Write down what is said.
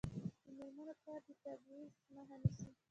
د میرمنو کار د تبعیض مخه نیسي.